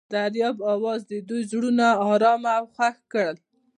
د دریاب اواز د دوی زړونه ارامه او خوښ کړل.